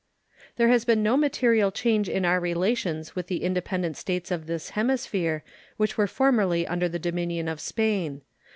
There has been no material change in our relations with the independent States of this hemisphere which were formerly under the dominion of Spain.